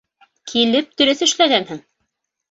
Килеп дөрөҫ эшләгәнһең.